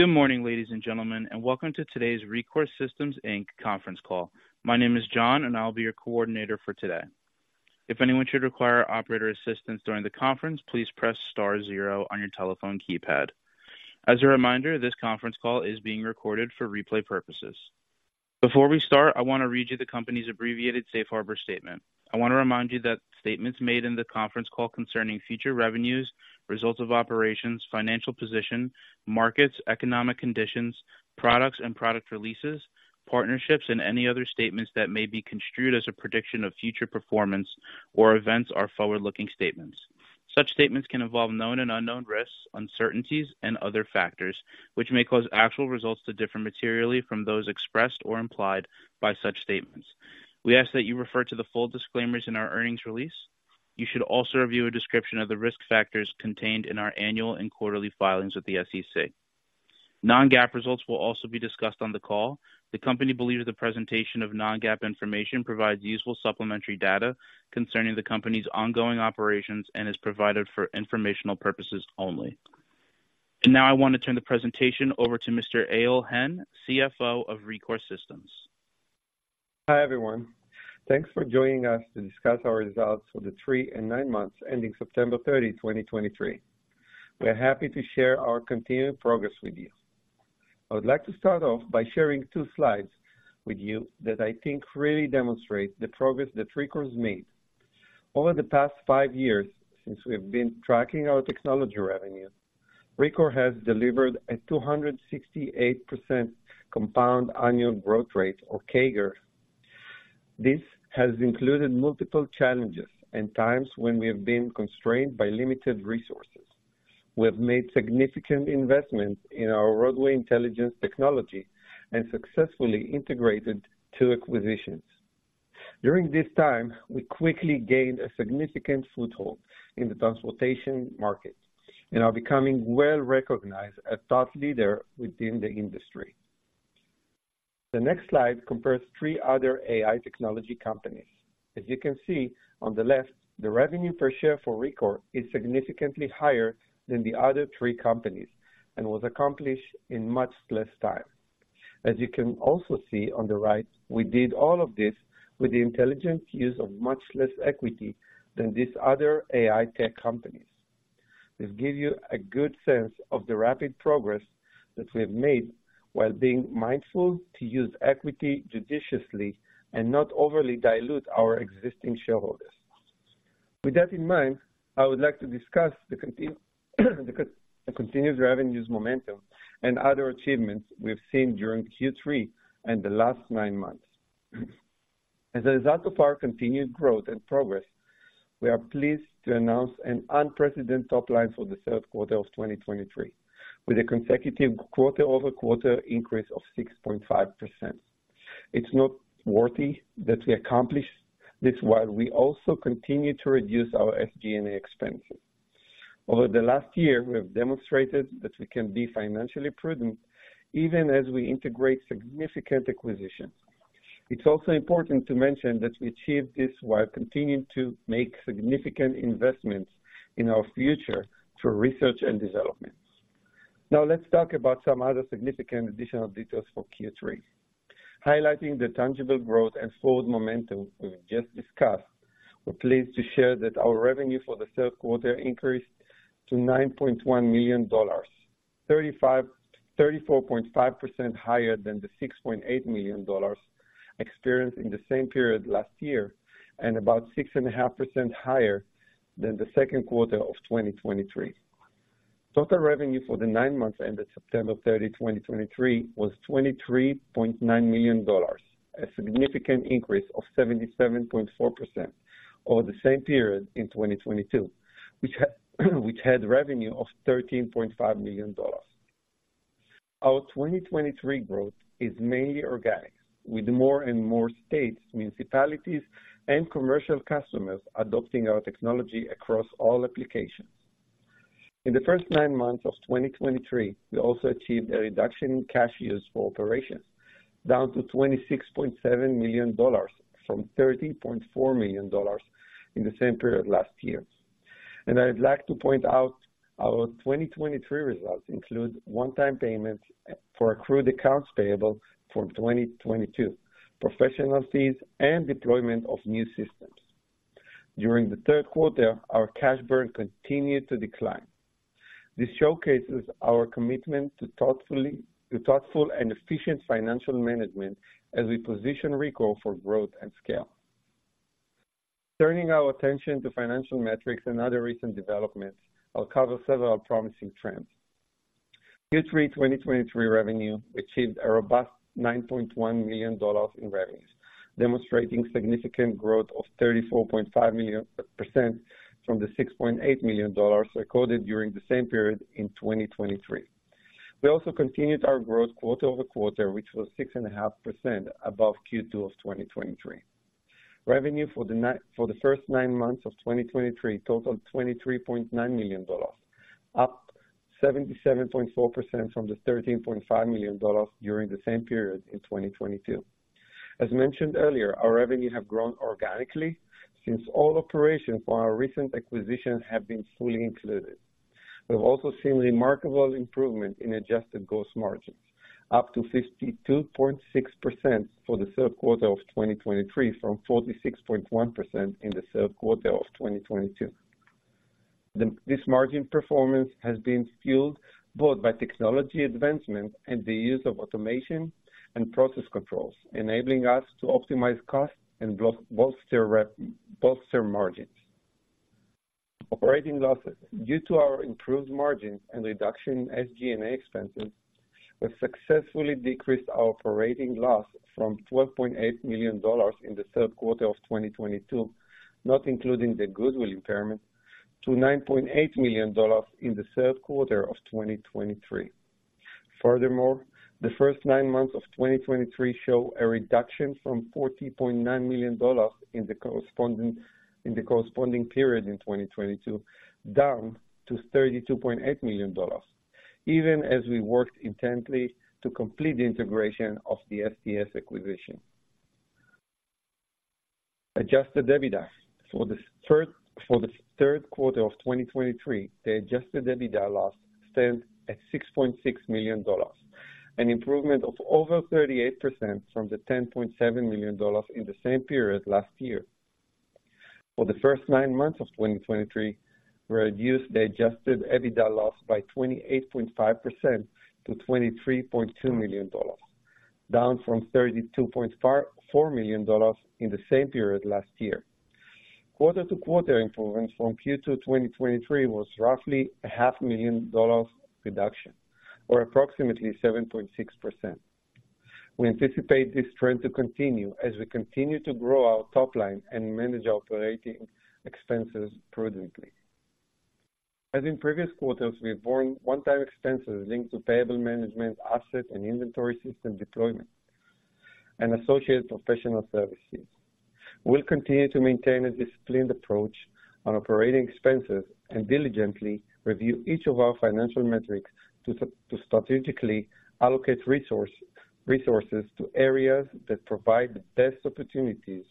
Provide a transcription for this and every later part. Good morning, ladies and gentlemen, and welcome to today's Rekor Systems, Inc. conference call. My name is John, and I'll be your coordinator for today. If anyone should require operator assistance during the conference, please press star zero on your telephone keypad. As a reminder, this conference call is being recorded for replay purposes. Before we start, I want to read you the company's abbreviated safe harbor statement. I want to remind you that statements made in the conference call concerning future revenues, results of operations, financial position, markets, economic conditions, products and product releases, partnerships, and any other statements that may be construed as a prediction of future performance or events are forward-looking statements. Such statements can involve known and unknown risks, uncertainties, and other factors, which may cause actual results to differ materially from those expressed or implied by such statements. We ask that you refer to the full disclaimers in our earnings release. You should also review a description of the risk factors contained in our annual and quarterly filings with the SEC. Non-GAAP results will also be discussed on the call. The company believes the presentation of non-GAAP information provides useful supplementary data concerning the company's ongoing operations and is provided for informational purposes only. And now I want to turn the presentation over to Mr. Eyal Hen, CFO of Rekor Systems. Hi, everyone. Thanks for joining us to discuss our results for the three and nine months ending September 30, 2023. We are happy to share our continued progress with you. I would like to start off by sharing 2 slides with you that I think really demonstrate the progress that Rekor has made. Over the past 5 years, since we have been tracking our technology revenue, Rekor has delivered a 268% compound annual growth rate, or CAGR. This has included multiple challenges and times when we have been constrained by limited resources. We have made significant investments in our roadway intelligence technology and successfully integrated 2 acquisitions. During this time, we quickly gained a significant foothold in the transportation market and are becoming well recognized as thought leader within the industry. The next slide compares three other AI technology companies. As you can see on the left, the revenue per share for Rekor is significantly higher than the other three companies and was accomplished in much less time. As you can also see on the right, we did all of this with the intelligent use of much less equity than these other AI tech companies. This gives you a good sense of the rapid progress that we have made while being mindful to use equity judiciously and not overly dilute our existing shareholders. With that in mind, I would like to discuss the continued revenues, momentum and other achievements we've seen during Q3 and the last nine months. As a result of our continued growth and progress, we are pleased to announce an unprecedented top line for the third quarter of 2023, with a consecutive quarter-over-quarter increase of 6.5%. It's noteworthy that we accomplished this while we also continued to reduce our SG&A expenses. Over the last year, we have demonstrated that we can be financially prudent even as we integrate significant acquisitions. It's also important to mention that we achieved this while continuing to make significant investments in our future through research and development. Now, let's talk about some other significant additional details for Q3. Highlighting the tangible growth and forward momentum we've just discussed, we're pleased to share that our revenue for the third quarter increased to $9.1 million, 34.5% higher than the $6.8 million experienced in the same period last year, and about 6.5% higher than the second quarter of 2023. Total revenue for the 9 months ended September 30, 2023, was $23.9 million, a significant increase of 77.4% over the same period in 2022, which had revenue of $13.5 million. Our 2023 growth is mainly organic, with more and more states, municipalities, and commercial customers adopting our technology across all applications. In the first 9 months of 2023, we also achieved a reduction in cash use for operations, down to $26.7 million from $30.4 million in the same period last year. I'd like to point out, our 2023 results include one-time payments for accrued accounts payable for 2022, professional fees, and deployment of new systems. During the third quarter, our cash burn continued to decline. This showcases our commitment to thoughtful and efficient financial management as we position Rekor for growth and scale. Turning our attention to financial metrics and other recent developments, I'll cover several promising trends. Q3 2023 revenue achieved a robust $9.1 million in revenues, demonstrating significant growth of 34.5% from the $6.8 million recorded during the same period in 2023. We also continued our growth quarter-over-quarter, which was 6.5% above Q2 of 2023. Revenue for the first nine months of 2023 totaled $23.9 million, up 77.4% from the $13.5 million during the same period in 2022. As mentioned earlier, our revenue have grown organically since all operations for our recent acquisitions have been fully included. We've also seen remarkable improvement in adjusted gross margins, up to 52.6% for the third quarter of 2023, from 46.1% in the third quarter of 2022. This margin performance has been fueled both by technology advancement and the use of automation and process controls, enabling us to optimize costs and bolster margins. Operating losses. Due to our improved margins and reduction in SG&A expenses, we've successfully decreased our operating loss from $12.8 million in the third quarter of 2022, not including the goodwill impairment, to $9.8 million in the third quarter of 2023. Furthermore, the first nine months of 2023 show a reduction from $40.9 million in the corresponding period in 2022, down to $32.8 million. Even as we worked intently to complete the integration of the STS acquisition, Adjusted EBITDA for the third quarter of 2023, the adjusted EBITDA loss stands at $6.6 million, an improvement of over 38% from the $10.7 million in the same period last year. For the first nine months of 2023, we reduced the adjusted EBITDA loss by 28.5% to $23.2 million, down from $32.4 million in the same period last year. Quarter-to-quarter improvement from Q2 2023 was roughly a $500,000 reduction, or approximately 7.6%. We anticipate this trend to continue as we continue to grow our top line and manage our operating expenses prudently. As in previous quarters, we've borne one-time expenses linked to payable management, asset and inventory system deployment, and associated professional services. We'll continue to maintain a disciplined approach on operating expenses and diligently review each of our financial metrics to strategically allocate resources to areas that provide the best opportunities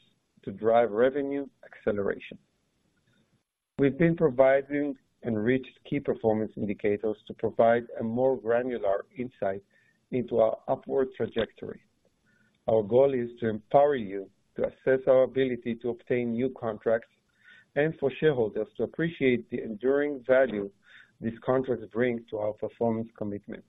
to drive revenue acceleration. We've been providing enriched key performance indicators to provide a more granular insight into our upward trajectory. Our goal is to empower you to assess our ability to obtain new contracts, and for shareholders to appreciate the enduring value these contracts bring to our performance commitment.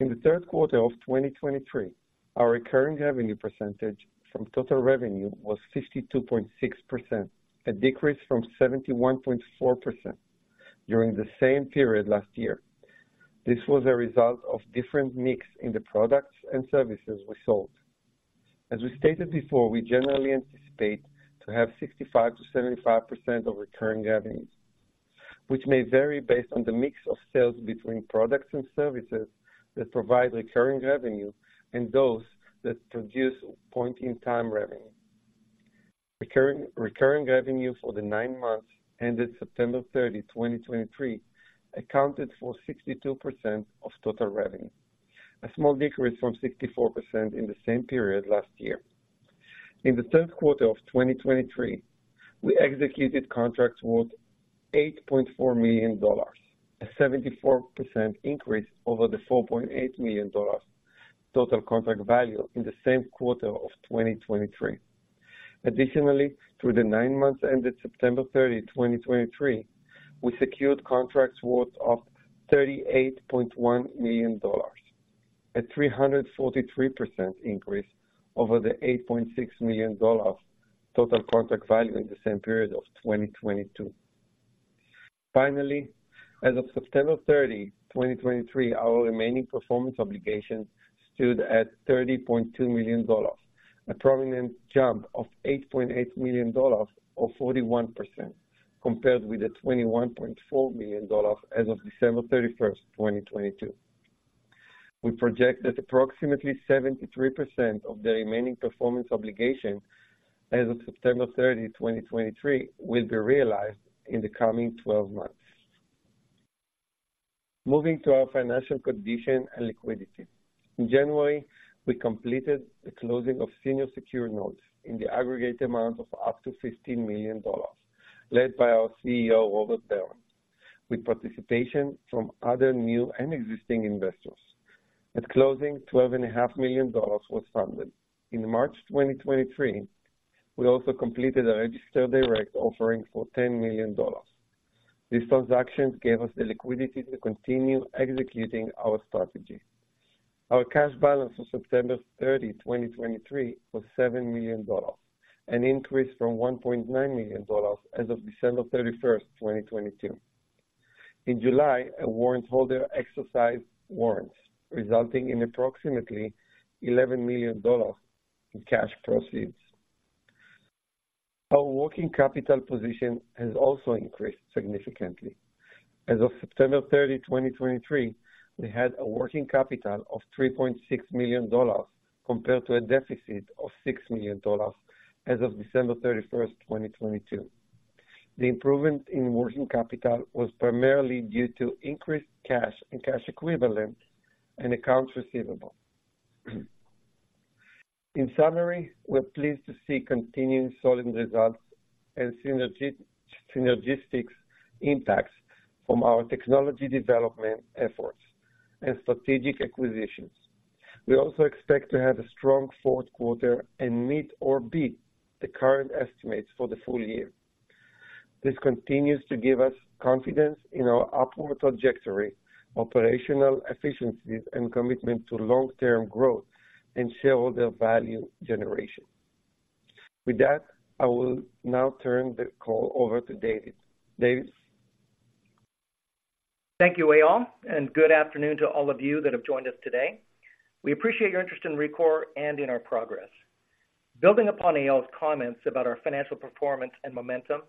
In the third quarter of 2023, our recurring revenue percentage from total revenue was 62.6%, a decrease from 71.4% during the same period last year. This was a result of different mix in the products and services we sold. As we stated before, we generally anticipate to have 65%-75% of recurring revenues, which may vary based on the mix of sales between products and services that provide recurring revenue, and those that produce point-in-time revenue. Recurring, recurring revenue for the nine months ended September 30, 2023, accounted for 62% of total revenue, a small decrease from 64% in the same period last year. In the third quarter of 2023, we executed contracts worth $8.4 million, a 74% increase over the $4.8 million total contract value in the same quarter of 2023. Additionally, through the nine months ended September 30, 2023, we secured contracts worth $38.1 million, a 343% increase over the $8.6 million total contract value in the same period of 2022. Finally, as of September 30, 2023, our remaining performance obligations stood at $30.2 million, a prominent jump of $8.8 million, or 41%, compared with the $21.4 million as of December 31st, 2022. We project that approximately 73% of the remaining performance obligations as of September 30, 2023, will be realized in the coming 12 months. Moving to our financial condition and liquidity. In January, we completed the closing of senior secured notes in the aggregate amount of up to $15 million, led by our CEO, Robert Berman, with participation from other new and existing investors. At closing, $12.5 million was funded. In March 2023, we also completed a registered direct offering for $10 million. These transactions gave us the liquidity to continue executing our strategy. Our cash balance for September 30, 2023, was $7 million, an increase from $1.9 million as of December 31, 2022. In July, a warrant holder exercised warrants, resulting in approximately $11 million in cash proceeds. Our working capital position has also increased significantly. As of September 30, 2023, we had a working capital of $3.6 million, compared to a deficit of $6 million as of December 31, 2022. The improvement in working capital was primarily due to increased cash and cash equivalents and accounts receivable. In summary, we're pleased to see continuing solid results and synergistic impacts from our technology development efforts and strategic acquisitions. We also expect to have a strong fourth quarter and meet or beat the current estimates for the full year. This continues to give us confidence in our upward trajectory, operational efficiencies, and commitment to long-term growth and shareholder value generation. With that, I will now turn the call over to David. David? Thank you, Eyal, and good afternoon to all of you that have joined us today. We appreciate your interest in Rekor and in our progress. Building upon Eyal's comments about our financial performance and momentum,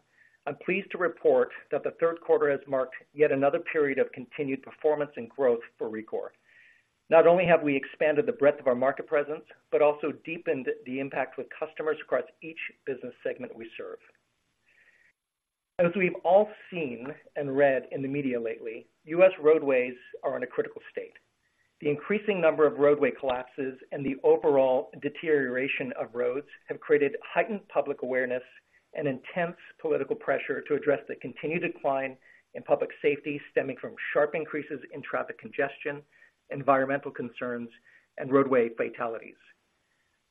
I'm pleased to report that the third quarter has marked yet another period of continued performance and growth for Rekor. Not only have we expanded the breadth of our market presence, but also deepened the impact with customers across each business segment we serve. As we've all seen and read in the media lately, U.S. roadways are in a critical state. The increasing number of roadway collapses and the overall deterioration of roads have created heightened public awareness and intense political pressure to address the continued decline in public safety, stemming from sharp increases in traffic congestion, environmental concerns, and roadway fatalities.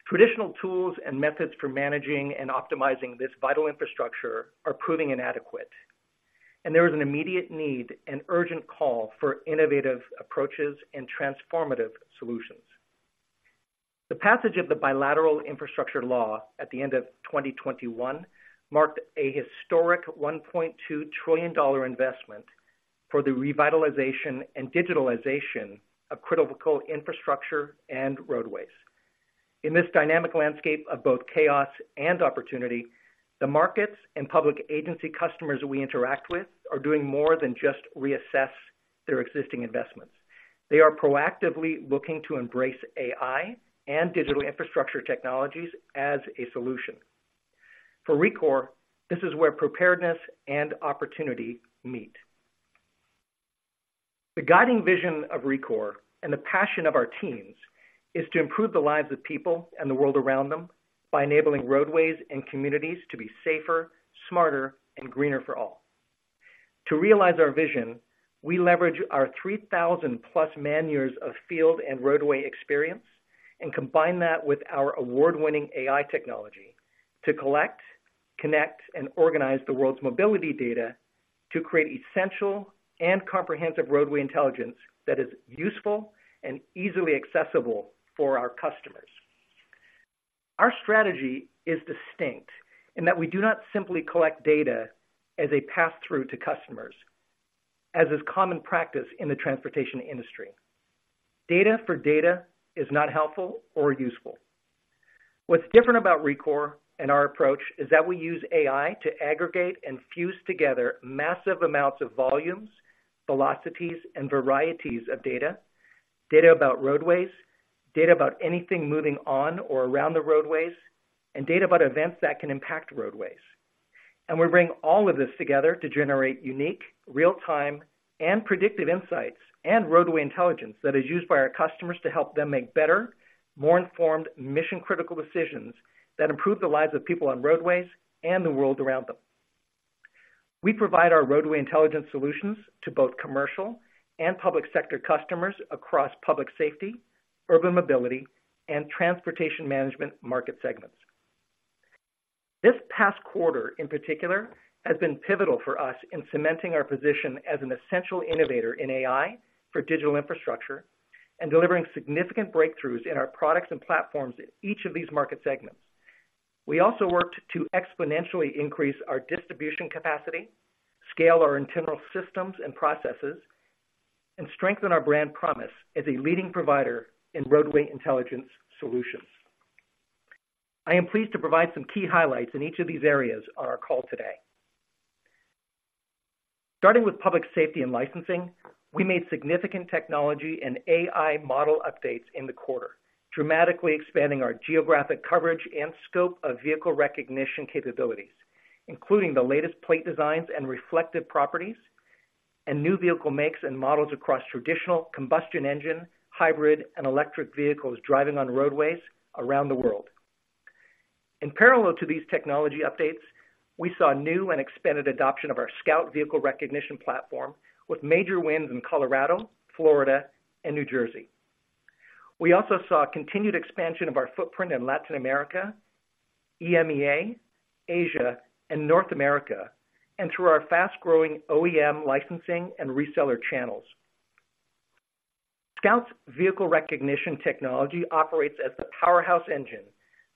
Traditional tools and methods for managing and optimizing this vital infrastructure are proving inadequate, and there is an immediate need and urgent call for innovative approaches and transformative solutions. The passage of the bilateral infrastructure law at the end of 2021 marked a historic $1.2 trillion investment for the revitalization and digitalization of critical infrastructure and roadways. In this dynamic landscape of both chaos and opportunity, the markets and public agency customers we interact with are doing more than just reassess their existing investments. They are proactively looking to embrace AI and digital infrastructure technologies as a solution. For Rekor, this is where preparedness and opportunity meet. The guiding vision of Rekor and the passion of our teams is to improve the lives of people and the world around them by enabling roadways and communities to be safer, smarter, and greener for all. To realize our vision, we leverage our 3,000+ man-years of field and roadway experience and combine that with our award-winning AI technology to collect, connect, and organize the world's mobility data to create essential and comprehensive roadway intelligence that is useful and easily accessible for our customers. Our strategy is distinct, in that we do not simply collect data as a pass-through to customers, as is common practice in the transportation industry. Data for data is not helpful or useful. What's different about Rekor and our approach is that we use AI to aggregate and fuse together massive amounts of volumes, velocities, and varieties of data. Data about roadways, data about anything moving on or around the roadways, and data about events that can impact roadways. We bring all of this together to generate unique, real-time, and predictive insights and roadway intelligence that is used by our customers to help them make better, more informed, mission-critical decisions that improve the lives of people on roadways and the world around them. We provide our roadway intelligence solutions to both commercial and public sector customers across public safety, urban mobility, and transportation management market segments. This past quarter, in particular, has been pivotal for us in cementing our position as an essential innovator in AI for digital infrastructure and delivering significant breakthroughs in our products and platforms in each of these market segments. We also worked to exponentially increase our distribution capacity, scale our internal systems and processes, and strengthen our brand promise as a leading provider in roadway intelligence solutions. I am pleased to provide some key highlights in each of these areas on our call today. Starting with public safety and licensing, we made significant technology and AI model updates in the quarter, dramatically expanding our geographic coverage and scope of vehicle recognition capabilities, including the latest plate designs and reflective properties, and new vehicle makes and models across traditional combustion engine, hybrid, and electric vehicles driving on roadways around the world. In parallel to these technology updates, we saw new and expanded adoption of our Scout vehicle recognition platform, with major wins in Colorado, Florida, and New Jersey. We also saw a continued expansion of our footprint in Latin America, EMEA, Asia, and North America, and through our fast-growing OEM licensing and reseller channels. Scout's vehicle recognition technology operates as the powerhouse engine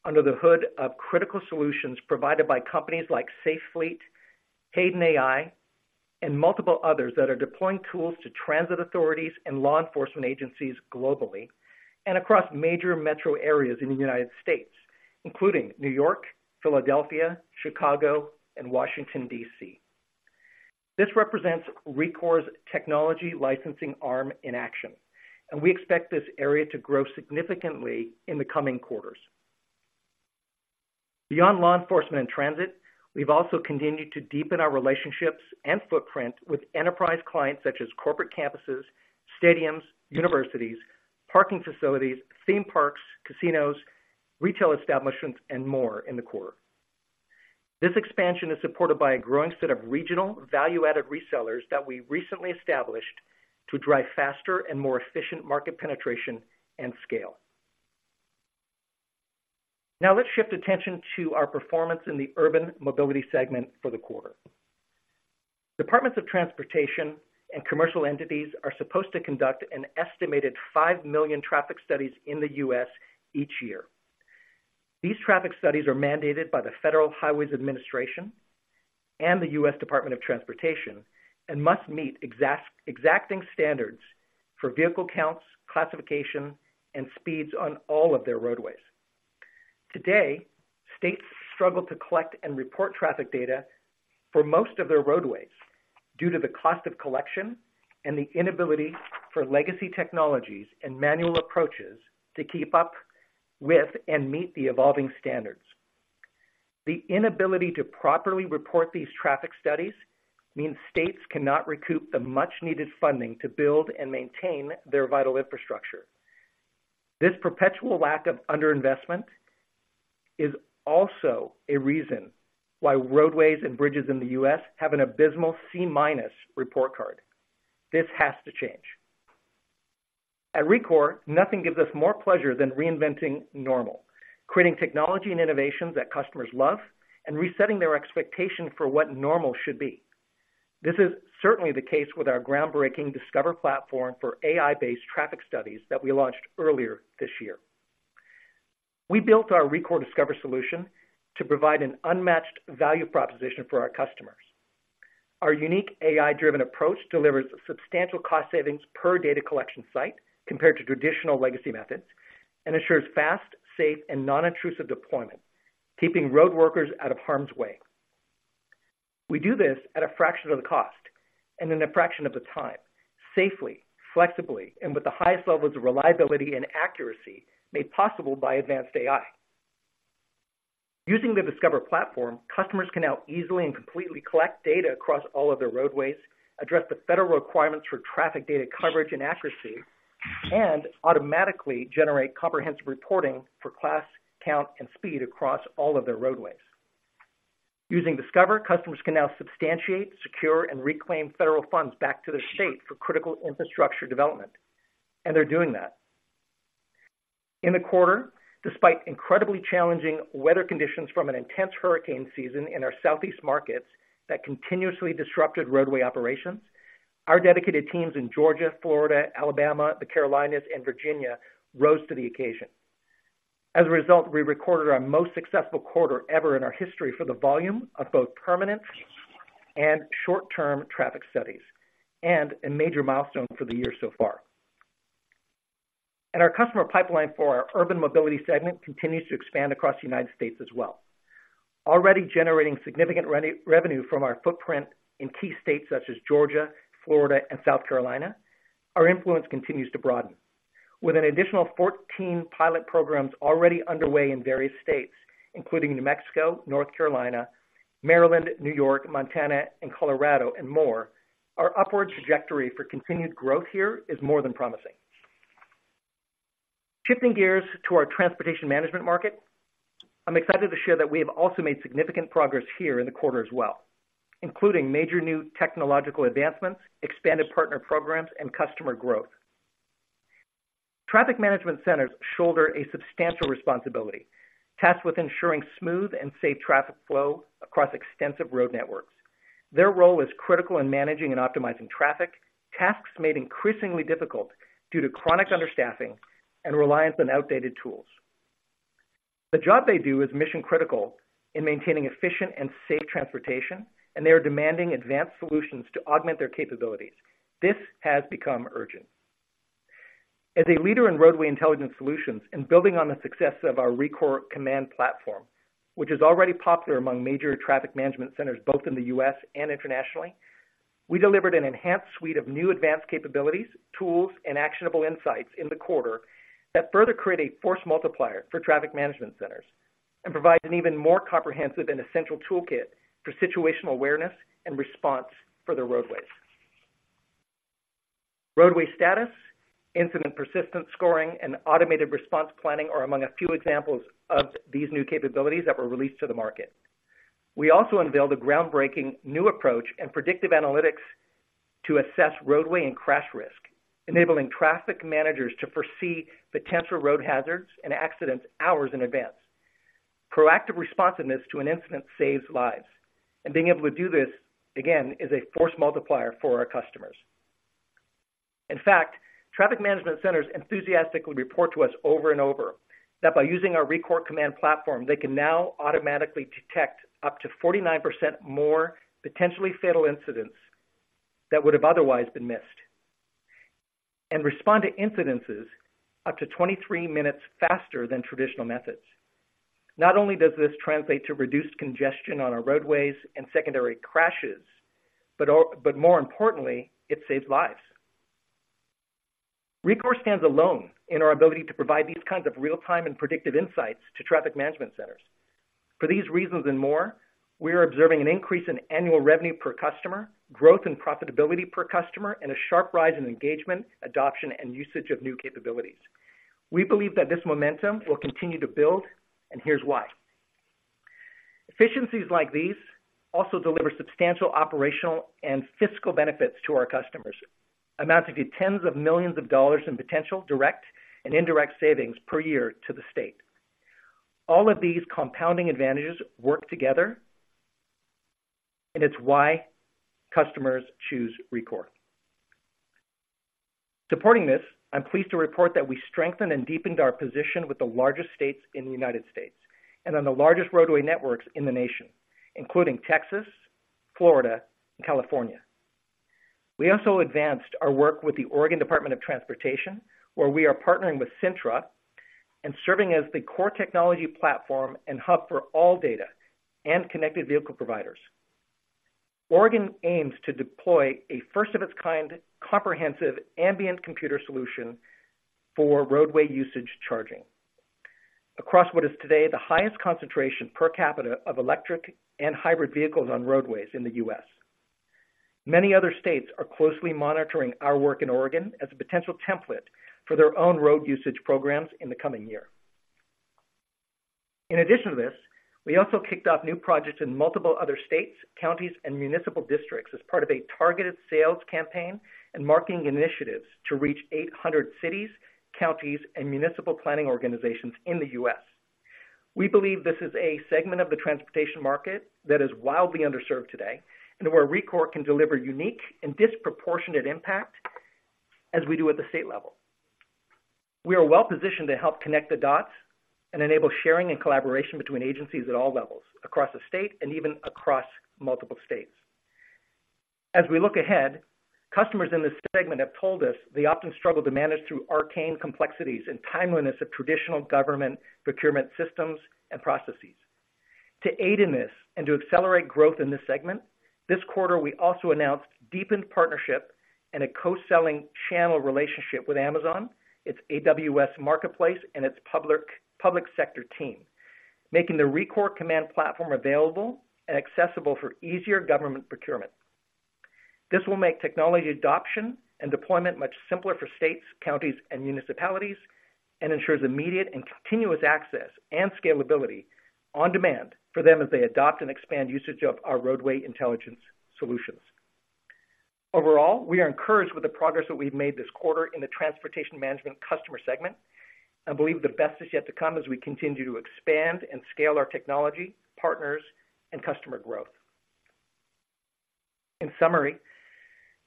under the hood of critical solutions provided by companies like Safe Fleet, Hayden AI, and multiple others that are deploying tools to transit authorities and law enforcement agencies globally and across major metro areas in the United States, including New York, Philadelphia, Chicago, and Washington, D.C.... This represents Rekor's technology licensing arm in action, and we expect this area to grow significantly in the coming quarters. Beyond law enforcement and transit, we've also continued to deepen our relationships and footprint with enterprise clients such as corporate campuses, stadiums, universities, parking facilities, theme parks, casinos, retail establishments, and more in the quarter. This expansion is supported by a growing set of regional value-added resellers that we recently established to drive faster and more efficient market penetration and scale. Now, let's shift attention to our performance in the urban mobility segment for the quarter. Departments of transportation and commercial entities are supposed to conduct an estimated 5 million traffic studies in the U.S. each year. These traffic studies are mandated by the Federal Highway Administration and the U.S. Department of Transportation, and must meet exacting standards for vehicle counts, classification, and speeds on all of their roadways. Today, states struggle to collect and report traffic data for most of their roadways due to the cost of collection and the inability for legacy technologies and manual approaches to keep up with and meet the evolving standards. The inability to properly report these traffic studies means states cannot recoup the much-needed funding to build and maintain their vital infrastructure. This perpetual lack of underinvestment is also a reason why roadways and bridges in the U.S. have an abysmal C-minus report card. This has to change. At Rekor, nothing gives us more pleasure than reinventing normal, creating technology and innovations that customers love, and resetting their expectations for what normal should be. This is certainly the case with our groundbreaking Discover platform for AI-based traffic studies that we launched earlier this year. We built our Rekor Discover solution to provide an unmatched value proposition for our customers. Our unique AI-driven approach delivers substantial cost savings per data collection site compared to traditional legacy methods, and ensures fast, safe, and non-intrusive deployment, keeping road workers out of harm's way. We do this at a fraction of the cost and in a fraction of the time, safely, flexibly, and with the highest levels of reliability and accuracy made possible by advanced AI. Using the Discover platform, customers can now easily and completely collect data across all of their roadways, address the federal requirements for traffic data coverage and accuracy, and automatically generate comprehensive reporting for class, count, and speed across all of their roadways. Using Discover, customers can now substantiate, secure, and reclaim federal funds back to the state for critical infrastructure development, and they're doing that. In the quarter, despite incredibly challenging weather conditions from an intense hurricane season in our southeast markets that continuously disrupted roadway operations, our dedicated teams in Georgia, Florida, Alabama, the Carolinas, and Virginia rose to the occasion. As a result, we recorded our most successful quarter ever in our history for the volume of both permanent and short-term traffic studies, and a major milestone for the year so far. Our customer pipeline for our urban mobility segment continues to expand across the United States as well. Already generating significant revenue from our footprint in key states such as Georgia, Florida, and South Carolina, our influence continues to broaden. With an additional 14 pilot programs already underway in various states, including New Mexico, North Carolina, Maryland, New York, Montana, and Colorado, and more, our upward trajectory for continued growth here is more than promising. Shifting gears to our transportation management market, I'm excited to share that we have also made significant progress here in the quarter as well, including major new technological advancements, expanded partner programs, and customer growth. Traffic management centers shoulder a substantial responsibility, tasked with ensuring smooth and safe traffic flow across extensive road networks. Their role is critical in managing and optimizing traffic, tasks made increasingly difficult due to chronic understaffing and reliance on outdated tools. The job they do is mission-critical in maintaining efficient and safe transportation, and they are demanding advanced solutions to augment their capabilities. This has become urgent. As a leader in roadway intelligence solutions and building on the success of our Rekor Command platform, which is already popular among major traffic management centers, both in the U.S. and internationally, we delivered an enhanced suite of new advanced capabilities, tools, and actionable insights in the quarter that further create a force multiplier for traffic management centers and provide an even more comprehensive and essential toolkit for situational awareness and response for the roadways. Roadway status, incident persistence scoring, and automated response planning are among a few examples of these new capabilities that were released to the market. We also unveiled a groundbreaking new approach in predictive analytics to assess roadway and crash risk, enabling traffic managers to foresee potential road hazards and accidents hours in advance. Proactive responsiveness to an incident saves lives, and being able to do this, again, is a force multiplier for our customers. In fact, traffic management centers enthusiastically report to us over and over that by using our Rekor Command platform, they can now automatically detect up to 49% more potentially fatal incidents that would have otherwise been missed... and respond to incidents up to 23 minutes faster than traditional methods. Not only does this translate to reduced congestion on our roadways and secondary crashes, but all, but more importantly, it saves lives. Rekor stands alone in our ability to provide these kinds of real-time and predictive insights to traffic management centers. For these reasons and more, we are observing an increase in annual revenue per customer, growth and profitability per customer, and a sharp rise in engagement, adoption, and usage of new capabilities. We believe that this momentum will continue to build, and here's why. Efficiencies like these also deliver substantial operational and fiscal benefits to our customers, amounting to $10s of millions in potential direct and indirect savings per year to the state. All of these compounding advantages work together, and it's why customers choose Rekor. Supporting this, I'm pleased to report that we strengthened and deepened our position with the largest states in the United States and on the largest roadway networks in the nation, including Texas, Florida, and California. We also advanced our work with the Oregon Department of Transportation, where we are partnering with Cintra and serving as the core technology platform and hub for all data and connected vehicle providers. Oregon aims to deploy a first-of-its-kind, comprehensive ambient computer solution for roadway usage charging, across what is today the highest concentration per capita of electric and hybrid vehicles on roadways in the U.S. Many other states are closely monitoring our work in Oregon as a potential template for their own road usage programs in the coming year. In addition to this, we also kicked off new projects in multiple other states, counties, and municipal districts as part of a targeted sales campaign and marketing initiatives to reach 800 cities, counties, and municipal planning organizations in the U.S. We believe this is a segment of the transportation market that is wildly underserved today, and where Rekor can deliver unique and disproportionate impact as we do at the state level. We are well positioned to help connect the dots and enable sharing and collaboration between agencies at all levels, across the state and even across multiple states. As we look ahead, customers in this segment have told us they often struggle to manage through arcane complexities and timeliness of traditional government procurement systems and processes. To aid in this and to accelerate growth in this segment, this quarter, we also announced deepened partnership and a co-selling channel relationship with Amazon, its AWS Marketplace, and its public sector team, making the Rekor Command platform available and accessible for easier government procurement. This will make technology adoption and deployment much simpler for states, counties, and municipalities, and ensures immediate and continuous access and scalability on demand for them as they adopt and expand usage of our roadway intelligence solutions. Overall, we are encouraged with the progress that we've made this quarter in the transportation management customer segment, and believe the best is yet to come as we continue to expand and scale our technology, partners, and customer growth. In summary,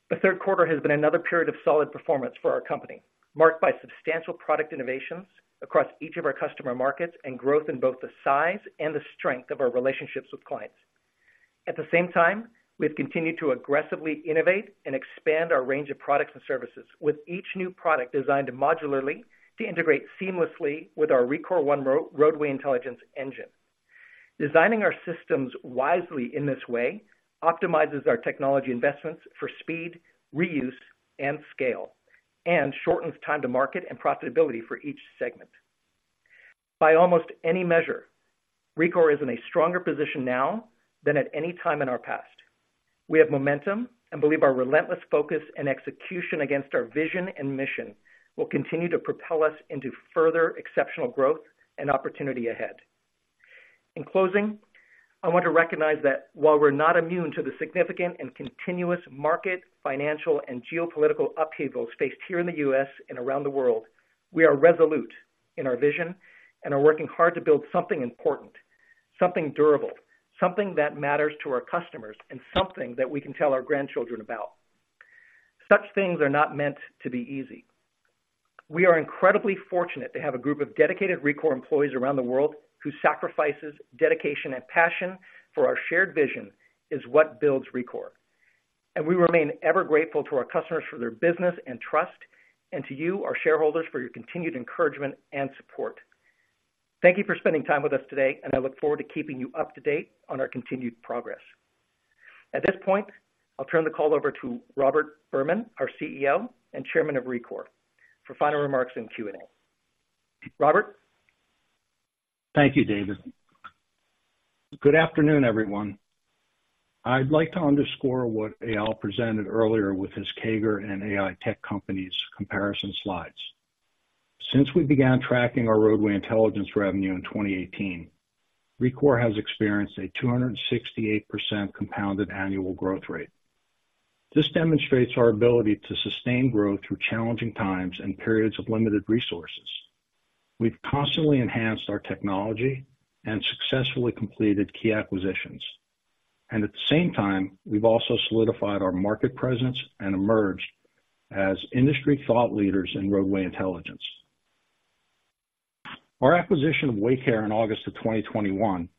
the third quarter has been another period of solid performance for our company, marked by substantial product innovations across each of our customer markets and growth in both the size and the strength of our relationships with clients. At the same time, we've continued to aggressively innovate and expand our range of products and services, with each new product designed modularly to integrate seamlessly with our Rekor One Roadway Intelligence Engine. Designing our systems wisely in this way optimizes our technology investments for speed, reuse, and scale, and shortens time to market and profitability for each segment. By almost any measure, Rekor is in a stronger position now than at any time in our past. We have momentum and believe our relentless focus and execution against our vision and mission will continue to propel us into further exceptional growth and opportunity ahead. In closing, I want to recognize that while we're not immune to the significant and continuous market, financial, and geopolitical upheavals faced here in the U.S. and around the world, we are resolute in our vision and are working hard to build something important, something durable, something that matters to our customers, and something that we can tell our grandchildren about. Such things are not meant to be easy. We are incredibly fortunate to have a group of dedicated Rekor employees around the world whose sacrifices, dedication, and passion for our shared vision is what builds Rekor. We remain ever grateful to our customers for their business and trust, and to you, our shareholders, for your continued encouragement and support. Thank you for spending time with us today, and I look forward to keeping you up to date on our continued progress. At this point, I'll turn the call over to Robert Berman, our CEO and Chairman of Rekor, for final remarks and Q&A. Robert? Thank you, David. Good afternoon, everyone. I'd like to underscore what Eyal presented earlier with his CAGR and AI tech companies comparison slides. Since we began tracking our roadway intelligence revenue in 2018, Rekor has experienced a 268% compounded annual growth rate. This demonstrates our ability to sustain growth through challenging times and periods of limited resources. We've constantly enhanced our technology and successfully completed key acquisitions. And at the same time, we've also solidified our market presence and emerged as industry thought leaders in roadway intelligence.... Our acquisition of Waycare in August of 2021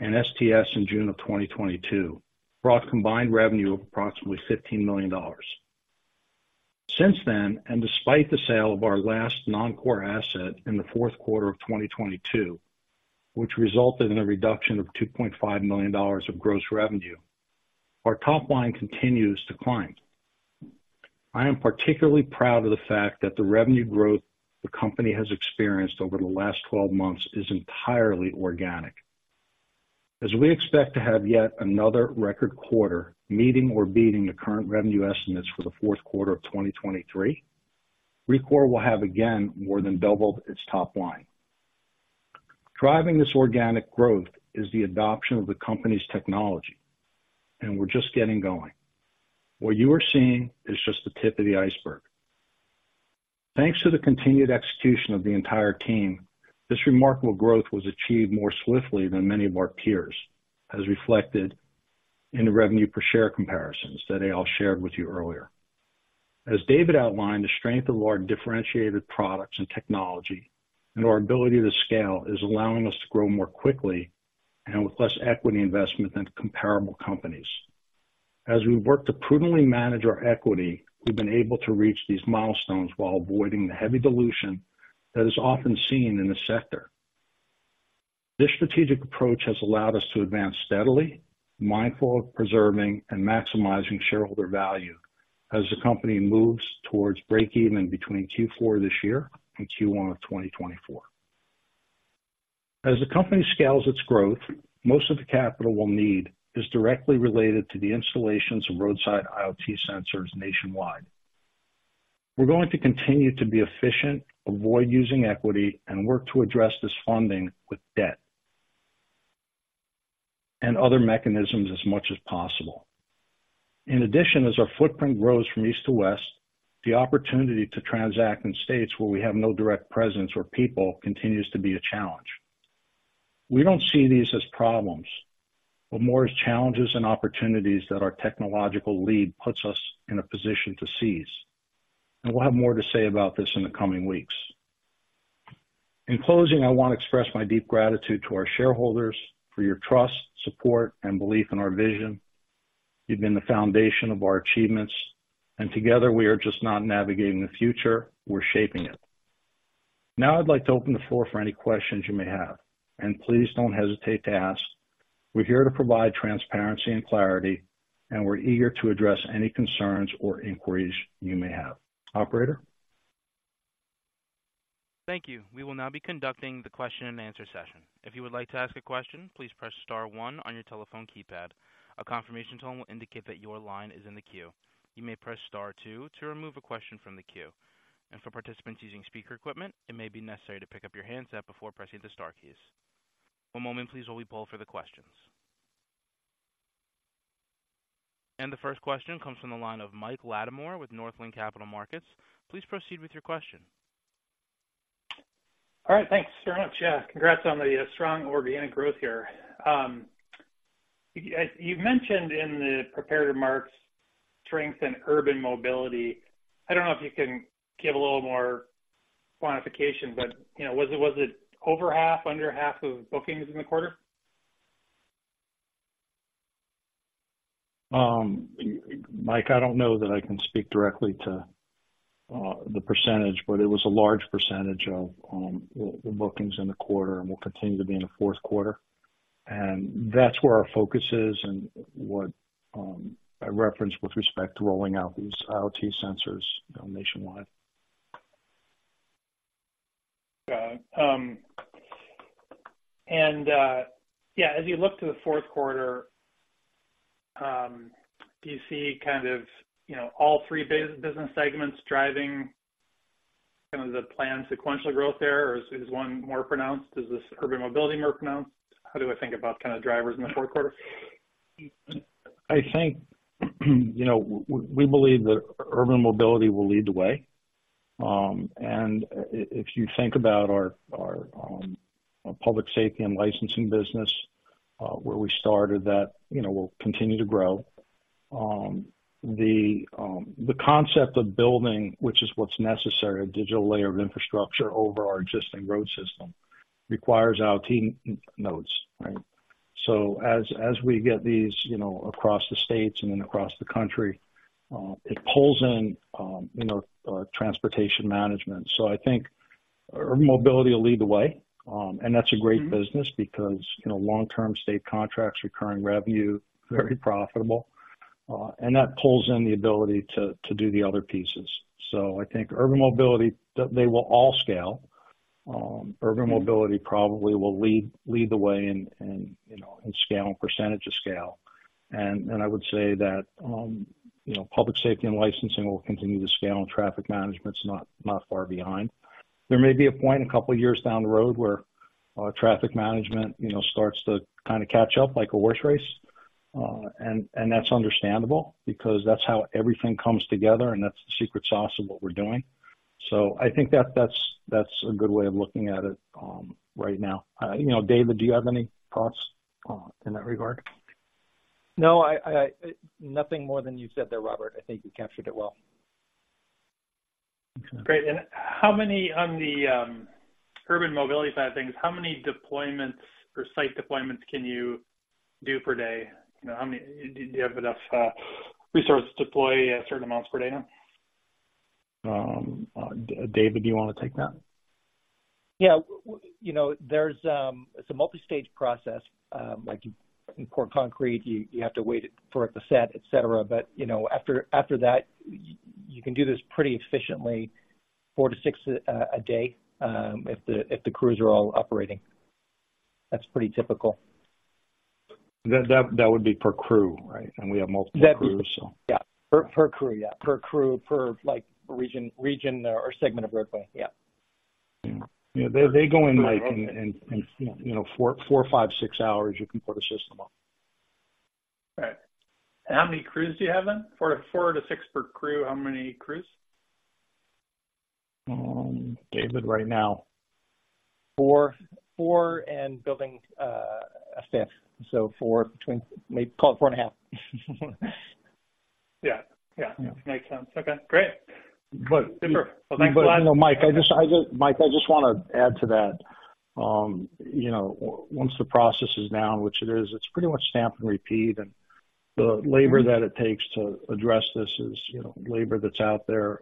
and STS in June of 2022 brought combined revenue of approximately $15 million. Since then, and despite the sale of our last non-core asset in the fourth quarter of 2022, which resulted in a reduction of $2.5 million of gross revenue, our top line continues to climb. I am particularly proud of the fact that the revenue growth the company has experienced over the last 12 months is entirely organic. As we expect to have yet another record quarter, meeting or beating the current revenue estimates for the fourth quarter of 2023, Rekor will have again more than doubled its top line. Driving this organic growth is the adoption of the company's technology, and we're just getting going. What you are seeing is just the tip of the iceberg. Thanks to the continued execution of the entire team, this remarkable growth was achieved more swiftly than many of our peers, as reflected in the revenue per share comparisons that Eyal shared with you earlier. As David outlined, the strength of our differentiated products and technology and our ability to scale is allowing us to grow more quickly and with less equity investment than comparable companies. As we work to prudently manage our equity, we've been able to reach these milestones while avoiding the heavy dilution that is often seen in the sector. This strategic approach has allowed us to advance steadily, mindful of preserving and maximizing shareholder value as the company moves towards breakeven between Q4 this year and Q1 of 2024. As the company scales its growth, most of the capital we'll need is directly related to the installations of roadside IoT sensors nationwide. We're going to continue to be efficient, avoid using equity, and work to address this funding with debt, and other mechanisms as much as possible. In addition, as our footprint grows from east to west, the opportunity to transact in states where we have no direct presence or people continues to be a challenge. We don't see these as problems, but more as challenges and opportunities that our technological lead puts us in a position to seize, and we'll have more to say about this in the coming weeks. In closing, I want to express my deep gratitude to our shareholders for your trust, support, and belief in our vision. You've been the foundation of our achievements, and together we are just not navigating the future, we're shaping it. Now I'd like to open the floor for any questions you may have, and please don't hesitate to ask. We're here to provide transparency and clarity, and we're eager to address any concerns or inquiries you may have. Operator? Thank you. We will now be conducting the question and answer session. If you would like to ask a question, please press star one on your telephone keypad. A confirmation tone will indicate that your line is in the queue. You may press star two to remove a question from the queue, and for participants using speaker equipment, it may be necessary to pick up your handset before pressing the star keys. One moment, please, while we poll for the questions. The first question comes from the line of Mike Latimore with Northland Capital Markets. Please proceed with your question. All right, thanks very much. Yeah, congrats on the strong organic growth here. You mentioned in the prepared remarks strength in urban mobility. I don't know if you can give a little more quantification, but you know, was it over half, under half of bookings in the quarter? Mike, I don't know that I can speak directly to the percentage, but it was a large percentage of the bookings in the quarter and will continue to be in the fourth quarter. And that's where our focus is and what I referenced with respect to rolling out these IoT sensors nationwide. Got it. And, yeah, as you look to the fourth quarter, do you see kind of, you know, all three business segments driving kind of the planned sequential growth there, or is one more pronounced? Is this urban mobility more pronounced? How do I think about kind of drivers in the fourth quarter? I think, you know, we believe that urban mobility will lead the way. If you think about our public safety and licensing business, where we started, that, you know, will continue to grow. The concept of building, which is what's necessary, a digital layer of infrastructure over our existing road system, requires our team nodes, right? So as we get these, you know, across the states and then across the country, it pulls in, you know, our transportation management. So I think urban mobility will lead the way. And that's a great business because, you know, long-term state contracts, recurring revenue, very profitable, and that pulls in the ability to do the other pieces. So I think urban mobility, they will all scale. Urban mobility probably will lead the way in, you know, in scale and percentage of scale. And I would say that, you know, public safety and licensing will continue to scale, and traffic management's not far behind. There may be a point a couple of years down the road where traffic management, you know, starts to kind of catch up like a horse race. And that's understandable because that's how everything comes together, and that's the secret sauce of what we're doing. So I think that's a good way of looking at it, right now. You know, David, do you have any thoughts in that regard?... No, nothing more than you said there, Robert. I think you captured it well. Great. And how many on the urban mobility side of things, how many deployments or site deployments can you do per day? You know, how many do you have enough resources to deploy at certain amounts per day now? David, do you want to take that? Yeah. You know, there's. It's a multi-stage process. Like when you pour concrete, you have to wait for it to set, et cetera. But, you know, after that, you can do this pretty efficiently, 4-6 a day, if the crews are all operating. That's pretty typical. That would be per crew, right? And we have multiple crews, so. Yeah, per crew, yeah. Per crew, per region or segment of roadway. Yeah. Yeah. They go in, like, and you know, 4, 5, 6 hours, you can put a system up. Right. And how many crews do you have then? 4-6 per crew. How many crews? David, right now. 4. 4 and building a fifth. So 4 between... Maybe call it 4 and a half. Yeah. Yeah. Makes sense. Okay, great. But- Super. Well, thanks a lot. Mike, I just want to add to that. You know, once the process is down, which it is, it's pretty much stamp and repeat, and the labor that it takes to address this is, you know, labor that's out there.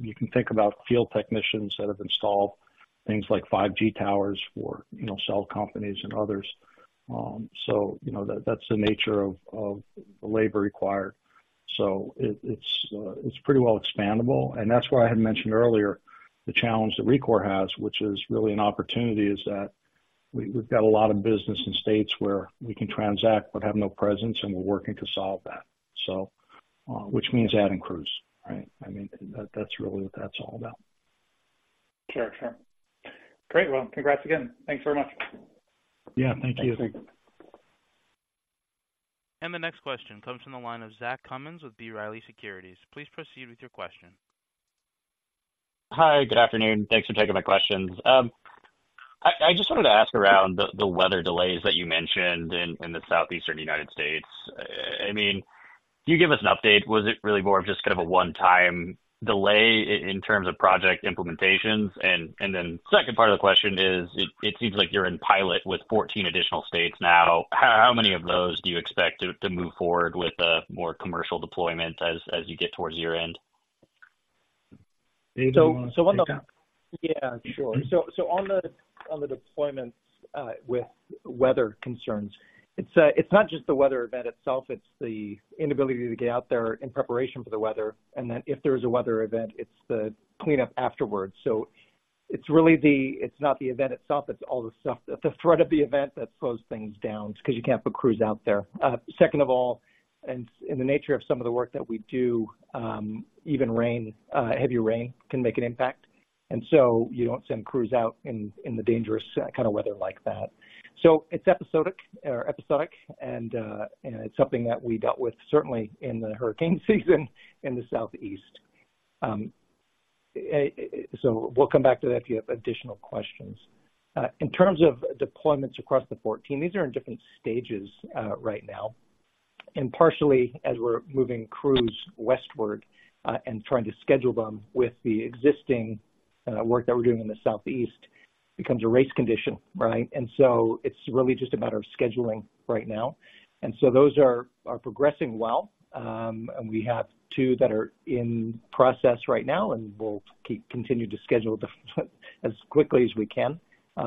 You can think about field technicians that have installed things like 5G towers for, you know, cell companies and others. So, you know, that, that's the nature of the labor required. So it's pretty well expandable. And that's why I had mentioned earlier, the challenge that Rekor has, which is really an opportunity, is that we've got a lot of business in states where we can transact but have no presence, and we're working to solve that. So, which means adding crews, right? I mean, that's really what that's all about. Sure. Sure. Great. Well, congrats again. Thanks very much. Yeah, thank you. Thanks. The next question comes from the line of Zach Cummins with B. Riley Securities. Please proceed with your question. Hi, good afternoon. Thanks for taking my questions. I just wanted to ask around the weather delays that you mentioned in the Southeastern United States. I mean, can you give us an update? Was it really more of just kind of a one-time delay in terms of project implementations? And then second part of the question is, it seems like you're in pilot with 14 additional states now. How many of those do you expect to move forward with more commercial deployments as you get towards year-end? David, you want to take that? Yeah, sure. So on the deployments with weather concerns, it's not just the weather event itself, it's the inability to get out there in preparation for the weather, and then if there's a weather event, it's the cleanup afterwards. So it's really the, it's not the event itself, it's all the stuff, the threat of the event that slows things down, because you can't put crews out there. Second of all, and in the nature of some of the work that we do, even rain, heavy rain can make an impact. And so you don't send crews out in the dangerous kind of weather like that. So it's episodic, and it's something that we dealt with certainly in the hurricane season in the Southeast. So we'll come back to that if you have additional questions. In terms of deployments across the 14, these are in different stages right now. And partially as we're moving crews westward, and trying to schedule them with the existing work that we're doing in the Southeast, becomes a race condition, right? And so it's really just a matter of scheduling right now. And so those are progressing well. And we have two that are in process right now, and we'll keep continuing to schedule them as quickly as we can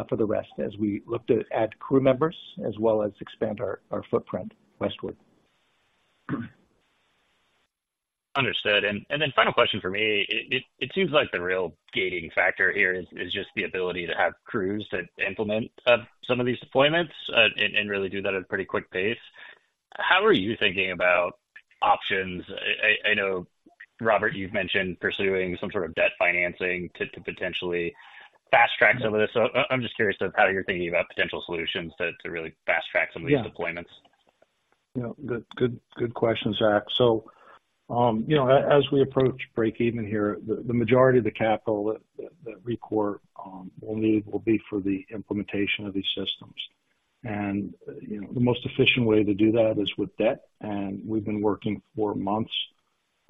for the rest, as we look to add crew members as well as expand our footprint westward. Understood. Then final question for me. It seems like the real gating factor here is just the ability to have crews to implement some of these deployments and really do that at a pretty quick pace. How are you thinking about options? I know, Robert, you've mentioned pursuing some sort of debt financing to potentially fast track some of this. So I'm just curious of how you're thinking about potential solutions to really fast track some of these deployments. Yeah. You know, good, good, good question, Zach. So, you know, as we approach break even here, the majority of the capital that Rekor will need will be for the implementation of these systems. And, you know, the most efficient way to do that is with debt, and we've been working for months,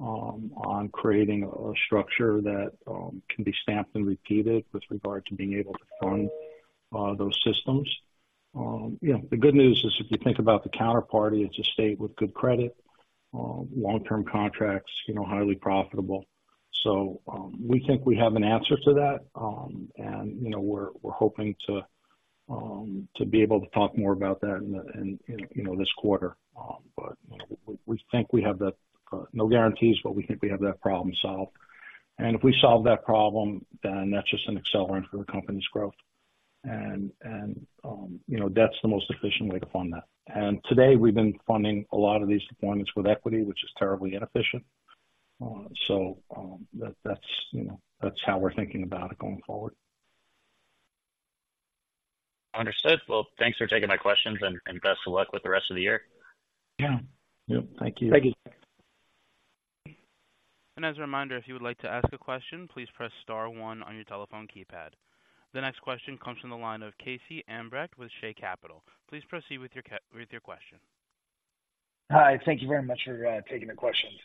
on creating a structure that can be stamped and repeated with regard to being able to fund those systems. You know, the good news is, if you think about the counterparty, it's a state with good credit, long-term contracts, you know, highly profitable. So, we think we have an answer to that. And, you know, we're hoping to be able to talk more about that in the, in, you know, this quarter. But, you know, we think we have that, no guarantees, but we think we have that problem solved. And if we solve that problem, then that's just an accelerant for the company's growth. And you know, that's the most efficient way to fund that. And today, we've been funding a lot of these deployments with equity, which is terribly inefficient. So, that's, you know, that's how we're thinking about it going forward. Understood. Well, thanks for taking my questions, and best of luck with the rest of the year. Yeah. Yep, thank you. Thank you. ...And as a reminder, if you would like to ask a question, please press star one on your telephone keypad. The next question comes from the line of KC Ambrecht with Shay Capital. Please proceed with your question. Hi, thank you very much for taking the questions.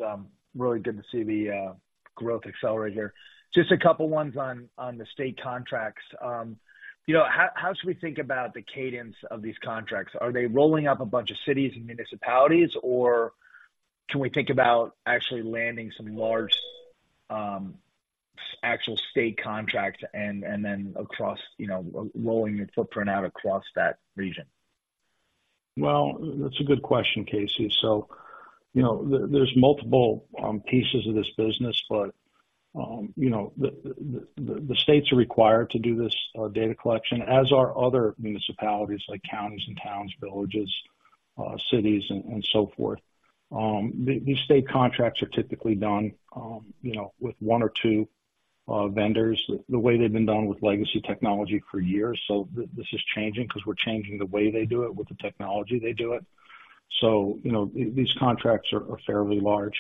Really good to see the growth accelerate here. Just a couple ones on the state contracts. You know, how should we think about the cadence of these contracts? Are they rolling up a bunch of cities and municipalities, or can we think about actually landing some large actual state contracts and then across, you know, rolling your footprint out across that region? Well, that's a good question, KC. So, you know, there, there's multiple pieces of this business, but, you know, the states are required to do this data collection, as are other municipalities, like counties and towns, villages, cities, and so forth. These state contracts are typically done, you know, with one or two vendors, the way they've been done with legacy technology for years. So this is changing because we're changing the way they do it with the technology they do it. So, you know, these contracts are fairly large.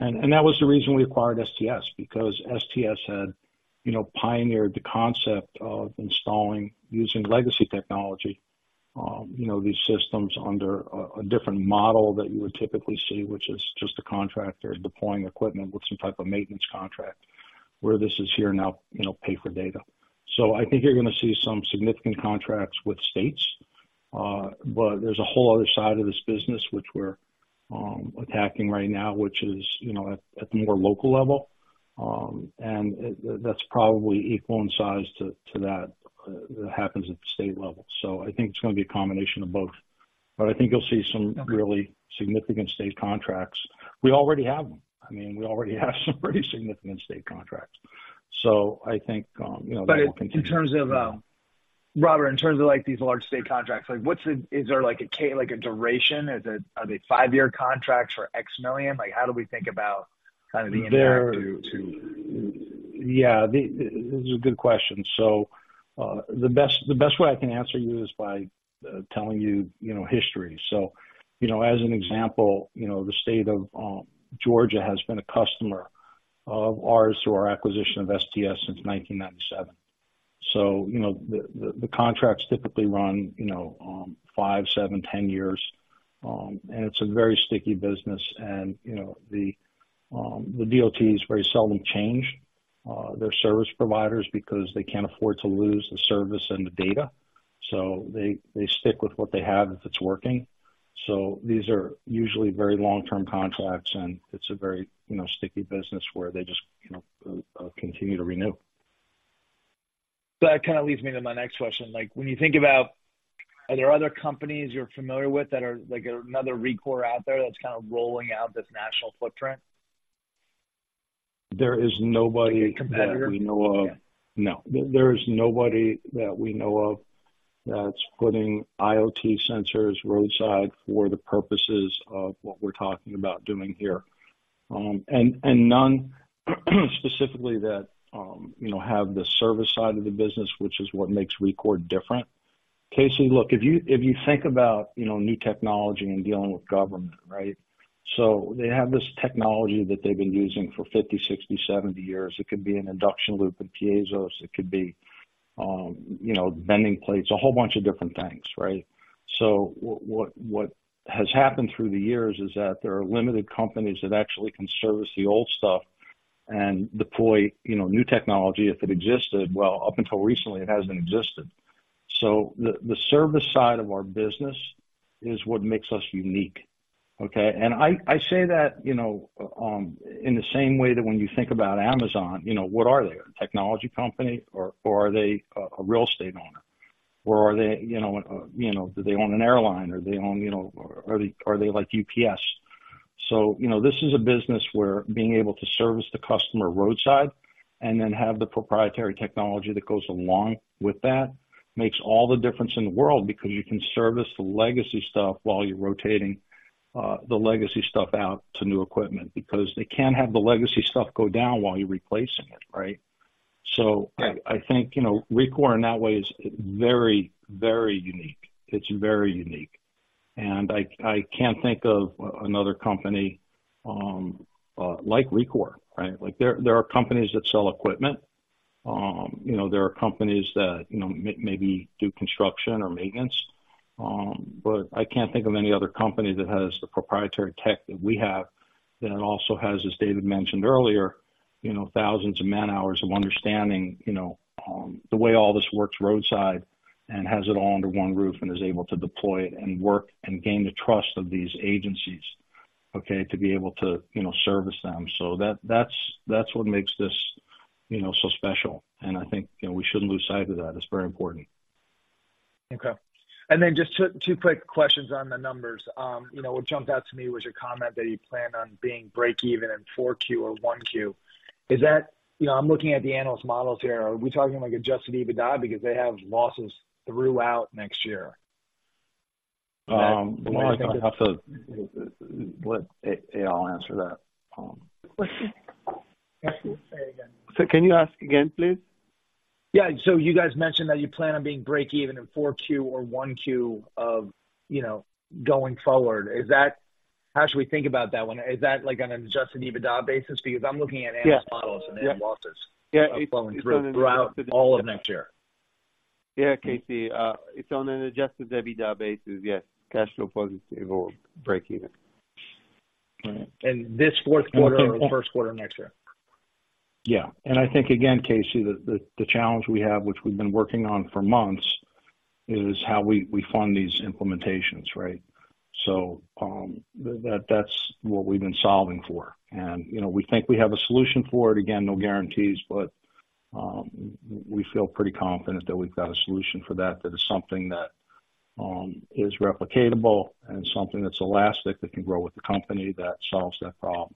And that was the reason we acquired STS, because STS had, you know, pioneered the concept of installing using legacy technology, you know, these systems under a different model that you would typically see, which is just a contractor deploying equipment with some type of maintenance contract, where this is here now, you know, pay for data. So I think you're going to see some significant contracts with states. But there's a whole other side of this business which we're attacking right now, which is, you know, at the more local level. And that's probably equal in size to that that happens at the state level. So I think it's going to be a combination of both. But I think you'll see some really significant state contracts. We already have them. I mean, we already have some pretty significant state contracts. So I think, you know, that will continue. But in terms of, Robert, in terms of, like, these large state contracts, like, what's the... Is there like a duration? Is it, are they five-year contracts for X million? Like, how do we think about kind of the interactive to- Yeah, this is a good question. So, the best way I can answer you is by telling you, you know, history. So, you know, as an example, you know, the state of Georgia has been a customer of ours through our acquisition of STS since 1997. So, you know, the contracts typically run, you know, 5, 7, 10 years. And it's a very sticky business and, you know, the DOTs very seldom change their service providers because they can't afford to lose the service and the data. So they stick with what they have if it's working. So these are usually very long-term contracts, and it's a very, you know, sticky business where they just, you know, continue to renew. That kind of leads me to my next question. Like, when you think about, are there other companies you're familiar with that are like another Rekor out there that's kind of rolling out this national footprint? There is nobody- A competitor? -that we know of. No. There is nobody that we know of that's putting IoT sensors roadside for the purposes of what we're talking about doing here. And none, specifically that, you know, have the service side of the business, which is what makes Rekor different. KC, look, if you, if you think about, you know, new technology and dealing with government, right? So they have this technology that they've been using for 50, 60, 70 years. It could be an induction loop and Piezos, it could be, you know, bending plates, a whole bunch of different things, right? So what has happened through the years is that there are limited companies that actually can service the old stuff and deploy, you know, new technology, if it existed. Well, up until recently, it hasn't existed. So the service side of our business is what makes us unique, okay? And I say that, you know, in the same way that when you think about Amazon, you know, what are they? A technology company, or are they a real estate owner? Or are they, you know, do they own an airline, or they own, you know, are they like UPS? So, you know, this is a business where being able to service the customer roadside and then have the proprietary technology that goes along with that, makes all the difference in the world because you can service the legacy stuff while you're rotating the legacy stuff out to new equipment, because they can't have the legacy stuff go down while you're replacing it, right? So I think, you know, Rekor in that way is very, very unique. It's very unique. And I can't think of another company like Rekor, right? Like, there are companies that sell equipment. You know, there are companies that maybe do construction or maintenance, but I can't think of any other company that has the proprietary tech that we have, that also has, as David mentioned earlier, you know, thousands of man hours of understanding, you know, the way all this works roadside and has it all under one roof and is able to deploy it and work and gain the trust of these agencies to be able to, you know, service them. So that's what makes this, you know, so special, and I think, you know, we shouldn't lose sight of that. It's very important. Okay. Then just 2, 2 quick questions on the numbers. You know, what jumped out to me was your comment that you plan on being breakeven in Q4 or Q1. Is that... You know, I'm looking at the analyst models here. Are we talking like Adjusted EBITDA? Because they have losses throughout next year. Mark, I have to—what? I'll answer that. Sorry, say again? Sir, can you ask again, please? ... Yeah, so you guys mentioned that you plan on being breakeven in Q4 or Q1 of, you know, going forward. Is that, how should we think about that one? Is that like on an Adjusted EBITDA basis? Because I'm looking at analyst models- Yeah. Analyst models falling through all of next year. Yeah, KC, it's on an Adjusted EBITDA basis. Yes. Cash flow positive or breakeven. This fourth quarter or first quarter next year? Yeah. And I think, again, KC, the challenge we have, which we've been working on for months, is how we fund these implementations, right? So, that, that's what we've been solving for. And, you know, we think we have a solution for it. Again, no guarantees, but, we feel pretty confident that we've got a solution for that, that is something that is replicatable and something that's elastic, that can grow with the company, that solves that problem.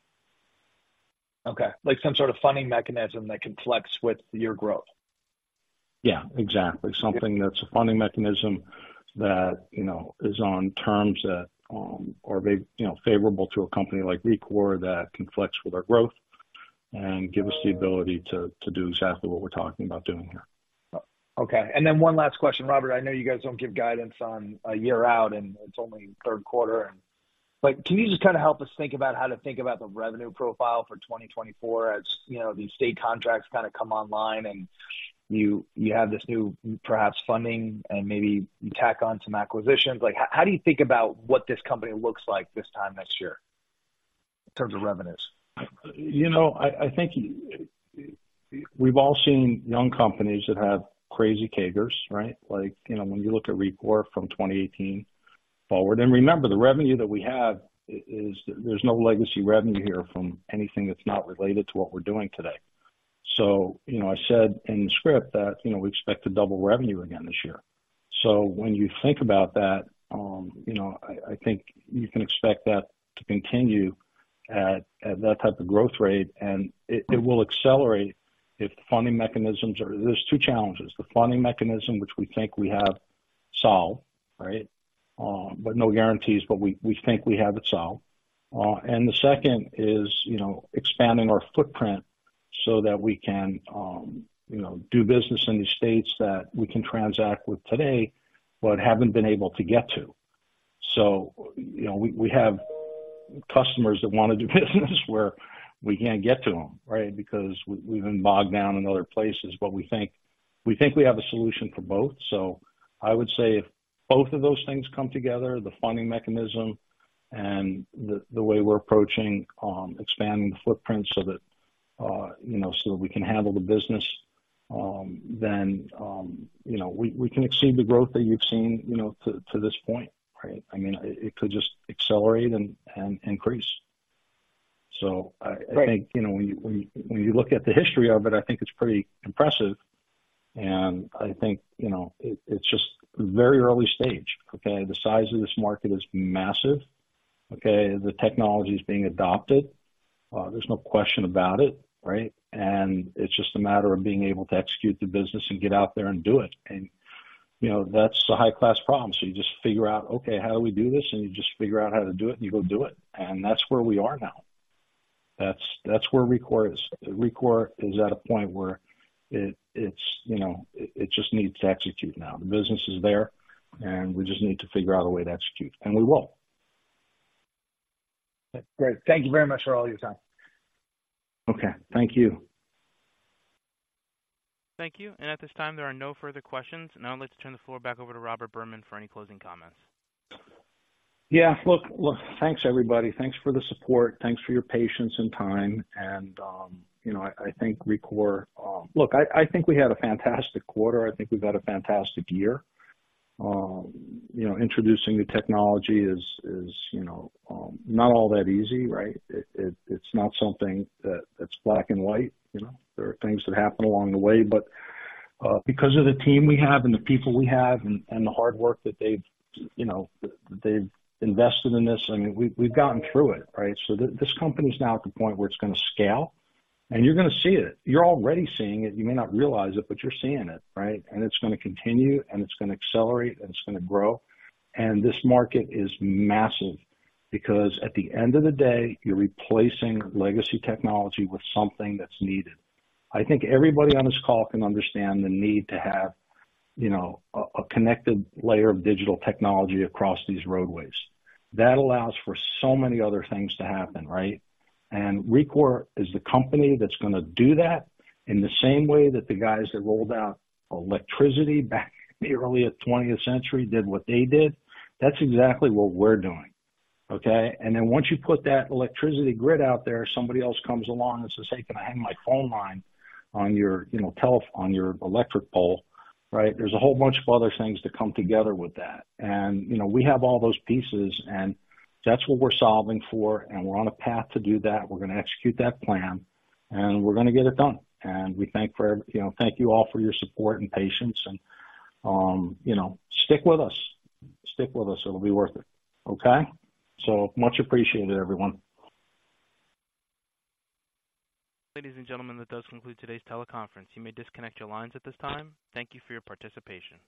Okay. Like some sort of funding mechanism that can flex with your growth? Yeah, exactly. Something that's a funding mechanism that, you know, is on terms that are, you know, favorable to a company like Rekor, that can flex with our growth and give us the ability to, to do exactly what we're talking about doing here. Okay. And then one last question, Robert. I know you guys don't give guidance on a year out, and it's only third quarter, and... But can you just kind of help us think about how to think about the revenue profile for 2024, as, you know, these state contracts kind of come online and you, you have this new, perhaps, funding, and maybe you tack on some acquisitions? Like, how do you think about what this company looks like this time next year in terms of revenues? You know, I think we've all seen young companies that have crazy CAGRs, right? Like, you know, when you look at Rekor from 2018 forward, and remember, the revenue that we have is. There's no legacy revenue here from anything that's not related to what we're doing today. So, you know, I said in the script that, you know, we expect to double revenue again this year. So when you think about that, you know, I think you can expect that to continue at that type of growth rate, and it will accelerate if the funding mechanisms are... There's two challenges: the funding mechanism, which we think we have solved, right? But no guarantees, but we think we have it solved. And the second is, you know, expanding our footprint so that we can, you know, do business in the states that we can transact with today, but haven't been able to get to. So, you know, we have customers that want to do business where we can't get to them, right? Because we've been bogged down in other places. But we think we have a solution for both. So I would say if both of those things come together, the funding mechanism and the way we're approaching expanding the footprint so that, you know, so that we can handle the business, then, you know, we can exceed the growth that you've seen, you know, to this point, right? I mean, it could just accelerate and increase. So I think- Right. You know, when you look at the history of it, I think it's pretty impressive, and I think, you know, it's just very early stage, okay? The size of this market is massive, okay? The technology is being adopted, there's no question about it, right? And it's just a matter of being able to execute the business and get out there and do it. And, you know, that's a high-class problem. So you just figure out, okay, how do we do this? And you just figure out how to do it, and you go do it. And that's where we are now. That's where Rekor is. Rekor is at a point where it's, you know, it just needs to execute now. The business is there, and we just need to figure out a way to execute, and we will. Great. Thank you very much for all your time. Okay. Thank you. Thank you. At this time, there are no further questions. Now, let's turn the floor back over to Robert Berman for any closing comments. Yeah, look, look, thanks, everybody. Thanks for the support. Thanks for your patience and time, and, you know, I, I think Rekor. Look, I, I think we had a fantastic quarter. I think we've had a fantastic year. You know, introducing new technology is, is, you know, not all that easy, right? It, it, it's not something that it's black and white. You know, there are things that happen along the way, but, because of the team we have and the people we have and, and the hard work that they've, you know, they've invested in this, I mean, we've, we've gotten through it, right? So this, this company is now at the point where it's going to scale, and you're going to see it. You're already seeing it. You may not realize it, but you're seeing it, right? And it's going to continue, and it's going to accelerate, and it's going to grow. And this market is massive, because at the end of the day, you're replacing legacy technology with something that's needed. I think everybody on this call can understand the need to have, you know, a connected layer of digital technology across these roadways. That allows for so many other things to happen, right? And Rekor is the company that's going to do that in the same way that the guys that rolled out electricity back in the early twentieth century did what they did. That's exactly what we're doing, okay? And then once you put that electricity grid out there, somebody else comes along and says, "Hey, can I hang my phone line on your, you know, tele- on your electric pole?" Right? There's a whole bunch of other things that come together with that. And, you know, we have all those pieces, and that's what we're solving for, and we're on a path to do that. We're going to execute that plan, and we're going to get it done. And we thank for, you know, thank you all for your support and patience and, you know, stick with us. Stick with us. It'll be worth it, okay? So much appreciated, everyone. Ladies and gentlemen, that does conclude today's teleconference. You may disconnect your lines at this time. Thank you for your participation.